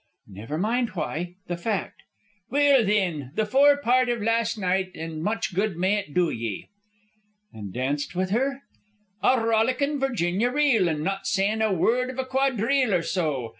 "Never mind why. The fact." "Well, thin, the fore part iv last night, an' much good may it do ye." "And danced with her?" "A rollickin' Virginia reel, an' not sayin' a word iv a quadrille or so.